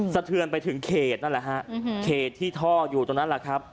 สะเทือนไปถึงเขตนั่นแหละฮะเขตที่ท่ออยู่ตรงนั้นแหละครับ